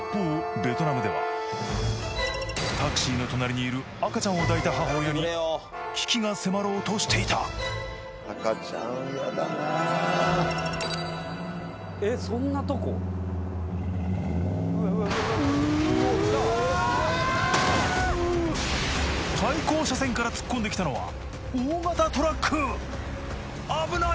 ベトナムではタクシーの隣にいる赤ちゃんを抱いた母親に危機が迫ろうとしていた対向車線から突っ込んできたのは大型トラック危ない！